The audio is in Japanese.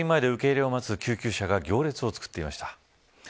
病院前で受け入れをまつ救急車が行列をつくっていました。